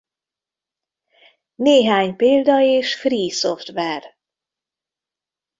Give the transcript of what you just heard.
Néhány példa és free-software!